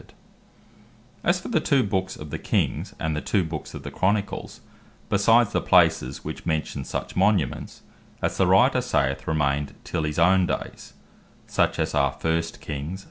The Books Of The Kings, And The Chronicles As for the two Books of the Kings, and the two books of the Chronicles, besides the places which mention such monuments, as the Writer saith, remained till his own days; such as are 1 Kings 9.